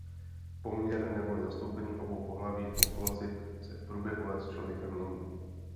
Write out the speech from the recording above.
Poměr neboli zastoupení obou pohlaví v populaci se v průběhu let člověka mění.